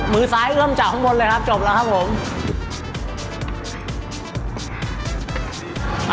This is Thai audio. มือซ้ายเอื้อมจากข้างบนเลยครับจบแล้วครับผม